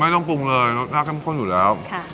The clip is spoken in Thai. ต้องปรุงเลยรสชาติเข้มข้นอยู่แล้ว